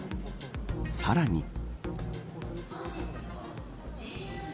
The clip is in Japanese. さらに。